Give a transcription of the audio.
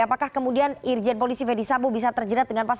apakah kemudian rijen polisi ferry sambu bisa terjerat dengan berapa